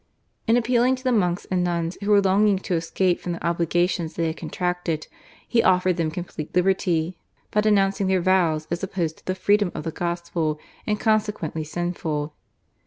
In appealing to the monks and nuns, who were longing to escape from the obligations they had contracted, he offered them complete liberty by denouncing their vows as opposed to the freedom of the Gospel and consequently sinful.